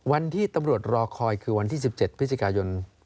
วันที่ตำรวจรอคอยคือวันที่๑๗พย๒๕๖๐